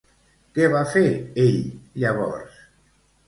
Què va fer ell llavors?